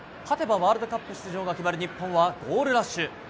勝てばワールドカップ出場が決まる日本はゴールラッシュ。